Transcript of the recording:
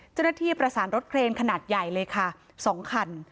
เจ้าหน้าที่ประสานรถเครนขนาดใหญ่เลยค่ะ๒คัน